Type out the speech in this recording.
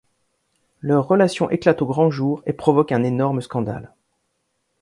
Leur relation éclate au grand jour et provoque un énorme scandale...